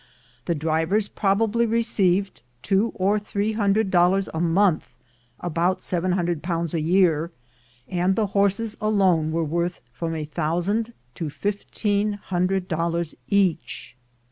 The drivers probably received two or three hundred dol lars a month (about £700 a year), and the horses alone were worth from a thousand to fifteen hundred dollars each.